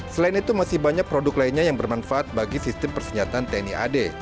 selain itu masih banyak produk lainnya yang bermanfaat bagi sistem persenjataan tni ad